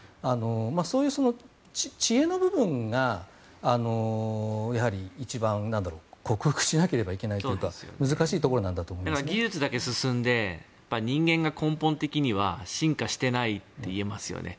そういう知恵の部分がやはり一番克服しなければいけないというか技術だけ進んで人間が根本的には進化していないと言えますよね。